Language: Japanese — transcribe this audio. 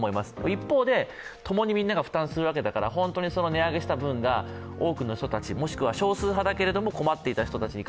一方で、ともにみんなが負担するわけだから、本当に値上げした分が多くの人たち、もしくは少数派だけれども困っていた人たちに